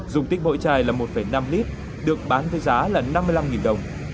dùng tích bội chai là một năm lit được bán với giá là năm mươi năm đồng